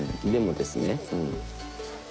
でもですね